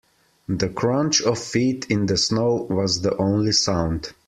The crunch of feet in the snow was the only sound.